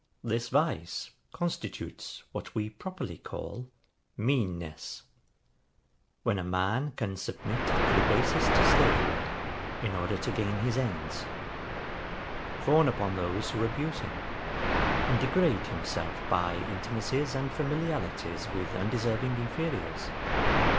This vice constitutes what we properly call MEANNESS; when a man can submit to the basest slavery, in order to gain his ends; fawn upon those who abuse him; and degrade himself by intimacies and familiarities with undeserving inferiors.